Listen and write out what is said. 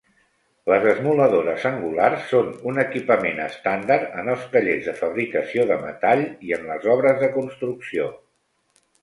Les esmoladores angulars són un equipament estàndard en els tallers de fabricació de metall i en les obres de construcció.